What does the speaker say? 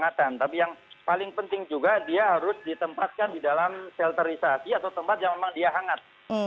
ya mengendalikan air hangatan tapi yang paling penting juga dia harus ditempatkan di dalam selterisasi atau tempat yang memang dia hangat